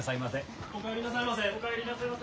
お帰りなさいませ。